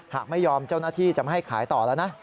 หากไม่ยอมเจ้าหน้าที่จะไม่ให้ขายต่อแล้วนะ